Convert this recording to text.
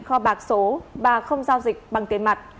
kho bạc số và không giao dịch bằng tiền mặt